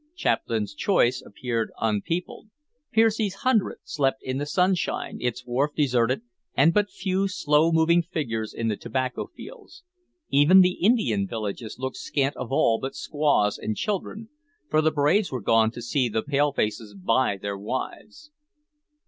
Chaplain's Choice appeared unpeopled; Piersey's Hundred slept in the sunshine, its wharf deserted, and but few, slow moving figures in the tobacco fields; even the Indian villages looked scant of all but squaws and children, for the braves were gone to see the palefaces buy their wives.